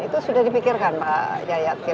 itu sudah dipikirkan pak yayat kira kira